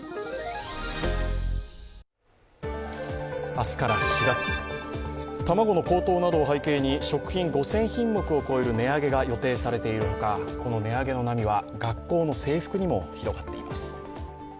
明日から４月、卵の高騰などを背景に食品５０００品目を超える値上げが予定されているほかこの値上げの波は学校の制服にも広がっています。